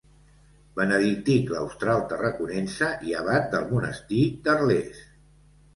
Benedictí claustral Tarraconense i abat del monestir d'Arles.